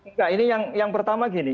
enggak ini yang pertama gini